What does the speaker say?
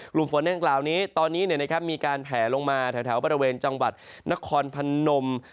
กลุ่มฝนดังกล่าวนี้ตอนนี้มีการแผลลงมาแถวบริเวณจังหวัดนครพนม